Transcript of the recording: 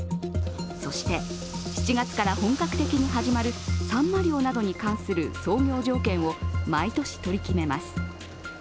そして７月から本格的に始まるさんま漁などに関する操業条件を毎年取り決めます。